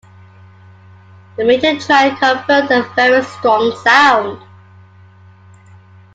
The major triad confers a very "strong" sound.